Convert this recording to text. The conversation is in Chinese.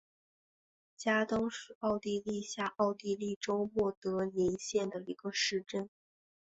加登是奥地利下奥地利州默德林县的一个市镇。